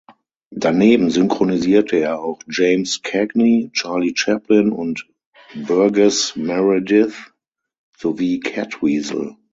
Daneben synchronisierte er auch James Cagney, Charlie Chaplin und Burgess Meredith, sowie Catweazle.